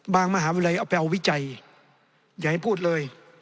มหาวิทยาลัยเอาไปเอาวิจัยอย่าให้พูดเลย